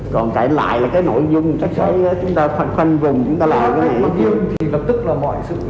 còn lại là cái nội dung chúng ta khoanh vùng chúng ta lại